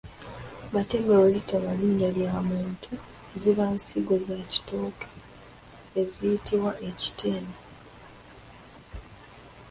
Matembe bwe litaba linnya lya muntu ziba nsigo za kitooke ekiyitibwa ekitembe.